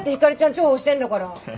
重宝してんだから。